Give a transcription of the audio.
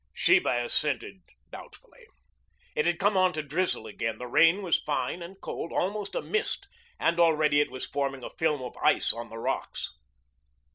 Sheba assented doubtfully. It had come on to drizzle again. The rain was fine and cold, almost a mist, and already it was forming a film of ice on the rocks.